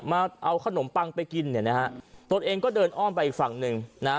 มาเอาขนมปังไปกินเนี่ยนะฮะตนเองก็เดินอ้อมไปอีกฝั่งหนึ่งนะฮะ